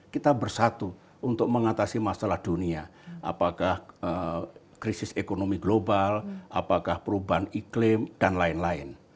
kita bersatu untuk mengatasi masalah dunia apakah krisis ekonomi global apakah perubahan iklim dan lain lain